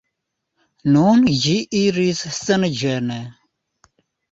Nun ĝi iris senĝene.